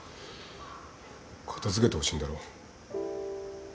片付けてほしいんだろ。